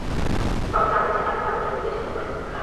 বরং যা করেছেন তাঁর প্রতিপালকের নির্দেশেই করেছেন।